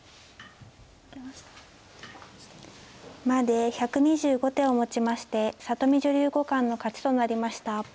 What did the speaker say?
まで１２５手をもちまして里見女流五冠の勝ちとなりました。